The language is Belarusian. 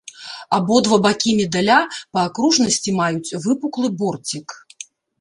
Абодва бакі медаля па акружнасці маюць выпуклы борцік.